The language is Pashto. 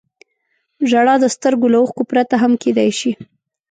• ژړا د سترګو له اوښکو پرته هم کېدای شي.